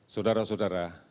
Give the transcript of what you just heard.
saudara saudara terima kasih